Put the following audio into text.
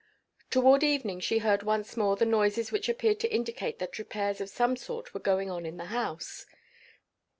Toward evening she heard once more the noises which appeared to indicate that repairs of some sort were going on in the house.